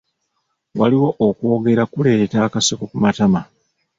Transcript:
Waliwo okwogera kuleeta akaseko ku matama.